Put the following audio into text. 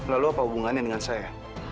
lalu apa hubungannya dengan saya